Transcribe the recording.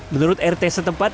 menurut rt setempat